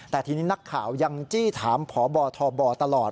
แต่ทีนี้นักข่าวยังจี้ถามพบทบตลอด